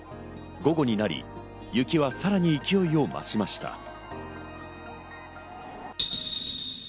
午後になり雪はさらに勢いを増しました。